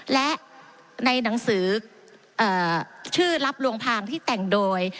และในหนังสือชื่อรับลวงพางที่แต่งโดย